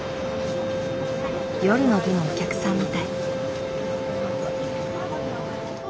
夜の部のお客さんみたい。